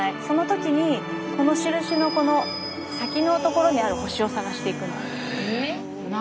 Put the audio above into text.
その時にこの印のこの先のところにある星を探していくんです。